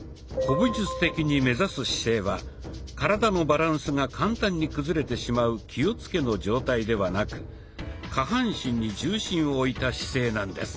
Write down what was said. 武術的に目指す姿勢は体のバランスが簡単に崩れてしまう「気をつけ」の状態ではなく下半身に重心を置いた姿勢なんです。